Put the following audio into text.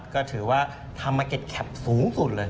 ก็ถือว่าทำมาร์เก็ตแคปสูงสุดเลย